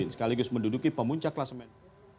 sekaligus menduduki pemuncak klasemen